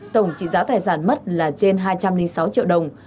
tổng trị giá tài sản mất là trên hai trăm linh sáu triệu đồng